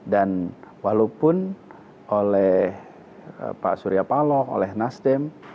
dan walaupun oleh pak surya paloh oleh nasdem